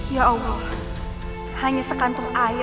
ya allah hanya sekantum air ya allah ini